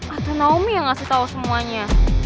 atau naomi yang ngasih tahu semuanya